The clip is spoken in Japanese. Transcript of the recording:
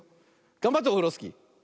がんばってオフロスキー。